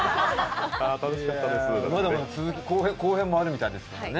まだまだ後半もあるみたいですからね。